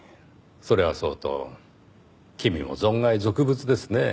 それはそうと君も存外俗物ですねぇ。